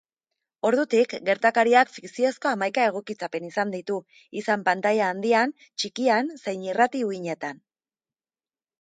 Ordutik, gertakariak fikziozko hamaika egokitzapen izan ditu, izan pantaila handian, txikian zein irrati uhinetan.